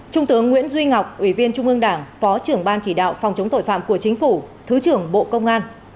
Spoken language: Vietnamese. trung tướng nguyễn duy ngọc ủy viên trung ương đảng phó trưởng ban chỉ đạo phòng chống tội phạm của chính phủ thứ trưởng bộ công an